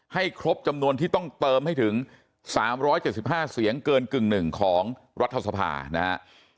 ให้ครบจำนวนที่ต้องเติมให้ถึง๓๗๕เสียงเกินกึ่งหนึ่งของรัฐสภานะครับ